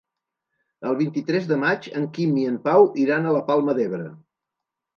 El vint-i-tres de maig en Quim i en Pau iran a la Palma d'Ebre.